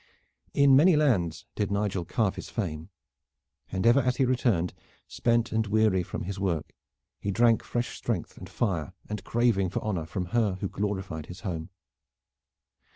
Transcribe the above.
In many lands did Nigel carve his fame, and ever as he returned spent and weary from his work he drank fresh strength and fire and craving for honor from her who glorified his home.